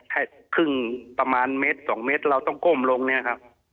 แค่ครึ่งประมาณเม็ดสองเม็ดเราต้องก้มลงเนี่ยครับ